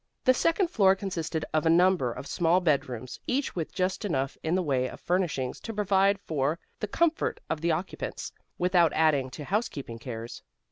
The second floor consisted of a number of small bedrooms, each with just enough in the way of furnishings to provide for the comfort of the occupants, without adding to housekeeping cares.